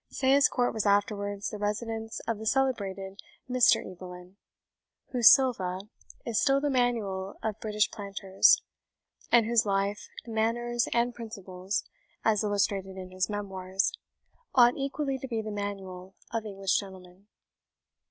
Sayes Court was afterwards the residence of the celebrated Mr. Evelyn, whose "Silva" is still the manual of British planters; and whose life, manners, and principles, as illustrated in his Memoirs, ought equally to be the manual of English gentlemen.